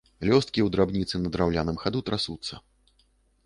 Лёсткі ў драбінцы на драўляным хаду трасуцца.